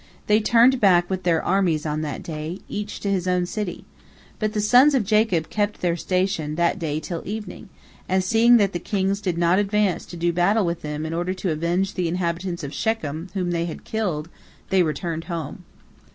They turned back with their armies on that day, each to his own city. But the sons of Jacob kept their station that day till evening, and seeing that the kings did not advance to do battle with them in order to avenge the inhabitants of Shechem whom they had killed, they returned home.